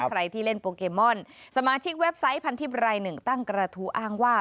ใครที่เล่นโปเกมอนสมาชิกเว็บไซต์พันทิพย์รายหนึ่งตั้งกระทู้อ้างว่า